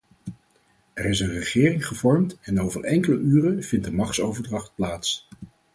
Er is een regering gevormd en over enkele uren vindt de machtsoverdracht plaats.